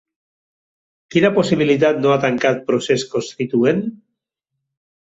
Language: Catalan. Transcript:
Quina possibilitat no ha tancat Procés Constituent?